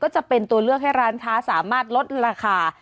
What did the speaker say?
จะเป็นตัวเลือกให้ร้านค้าสามารถลดราคา